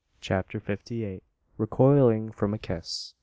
CHAPTER FIFTY EIGHT. RECOILING FROM A KISS.